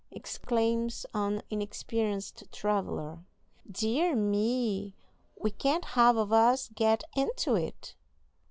exclaims an inexperienced traveller; "dear me! we can't half of us get into it!"